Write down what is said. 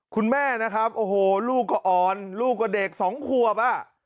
คุณแม่นะครับโอ้โหลูกก็อ่อนลูกก็เด็กสองขวบอ่ะ